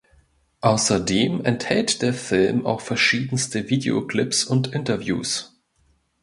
Außerdem enthält der Film auch verschiedenste Videoclips und Interviews.